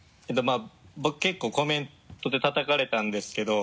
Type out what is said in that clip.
僕結構コメントでたたかれたんですけど。